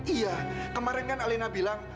iya kemarin kan elena bilang